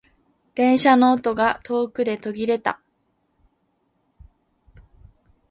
電車の音が遠くで途切れた。